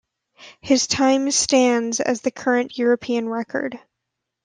His time stands as the current European record.